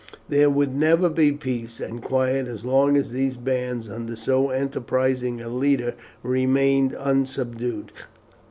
There would never be peace and quiet as long as these bands, under so enterprising a leader, remained unsubdued.